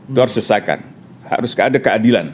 itu harus diselesaikan harus ada keadilan